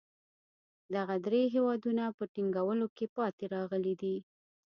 دغه درې هېوادونه په ټینګولو کې پاتې راغلي دي.